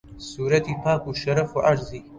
سوورەتی پاک و شەرەف و عەرزی